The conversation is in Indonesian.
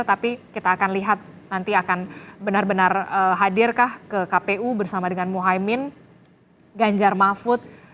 tapi kita akan lihat nanti akan benar benar hadirkah ke kpu bersama dengan muhaymin ganjar mahfud